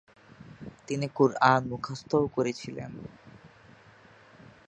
তিনি কুরআন মুখস্থও করেছিলেন।